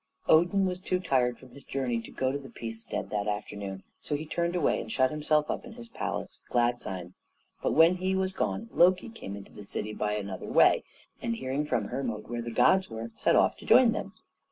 Odin was too tired from his journey to go to the Peacestead that afternoon; so he turned away and shut himself up in his palace of Gladsheim. But when he was gone, Loki came into the city by another way, and hearing from Hermod where the gods were, set off to join them.